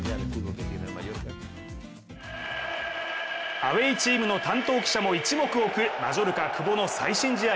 アウェーチームの担当記者も一目置くマジョルカ・久保の最新試合。